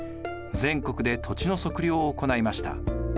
全国で土地の測量を行いました。